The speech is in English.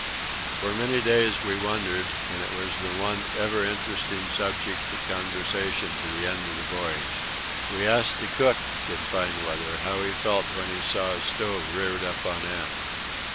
For many days we wondered, and it was the one ever interesting subject of conversation to the end of the voyage. We asked the cook, in fine weather, how he felt when he saw his stove "reared up on end."